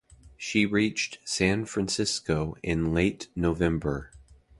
She reached San Francisco in late November.